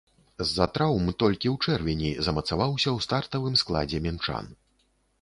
З-за траўм толькі ў чэрвені замацаваўся ў стартавым складзе мінчан.